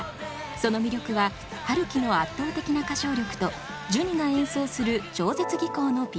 その魅力は陽樹の圧倒的な歌唱力とジュニが演奏する超絶技巧のピアノ。